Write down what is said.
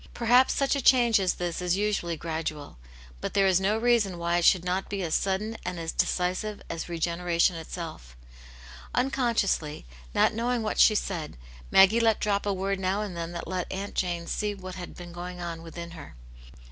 Perhaps such a change as this is usually gradual. But there is no reason why it should not be as sudden and as decisive as regeneration itself. Unconsciously, not knowing what she said, Maggfie let drop a word now and then that let Aunt Jane see what had been going on within her.